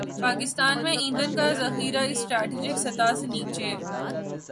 پاکستان میں ایندھن کا ذخیرہ اسٹریٹجک سطح سے نیچے